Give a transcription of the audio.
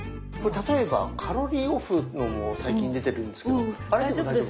これ例えばカロリーオフのも最近出てるんですけどあれでも大丈夫？